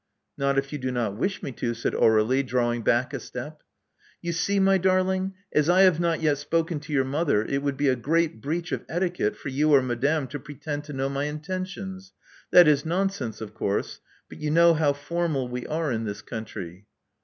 *'Not if you do not wish me to," said Aur^lie, draw ing back a step. *'You see, my darling, as I have not yet spoken to your mother, it would be a great breach of etiquette for you or Madame to pretend to know my intentions. Tj^t is nonsense, of course; but you know how formal we are in this country."